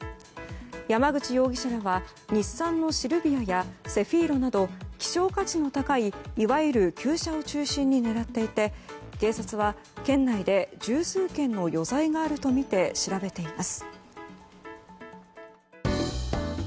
山口容疑者らは日産のシルビアやセフィーロなど希少価値の高いいわゆる旧車を中心に狙っていて警察は、県内で十数件の余罪があるとみて調べています。